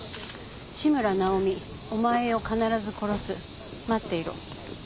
「志村尚美お前を必ず殺す」「待っていろ」